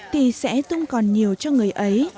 thì sẽ tung còn nhiều cho người ấy